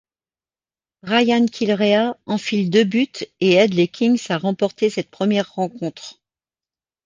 Brian Kilrea enfile deux buts et aide les Kings à remporter cette première rencontre.